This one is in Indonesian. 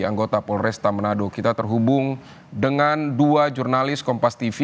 anggota polresta manado kita terhubung dengan dua jurnalis kompas tv